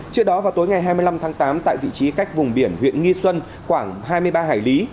trước đó vào tối ngày hai mươi năm tháng tám tại vị trí cách vùng biển huyện nghi xuân khoảng hai mươi ba hải lý